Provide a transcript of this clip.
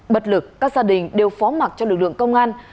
bất lực các gia đình đều phó mặt cho lực lượng công an